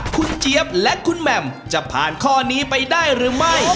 คุณเจี๊ยบและคุณแหม่มจะผ่านข้อนี้ไปได้หรือไม่